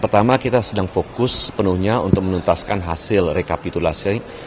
pertama kita sedang fokus sepenuhnya untuk menuntaskan hasil rekapitulasi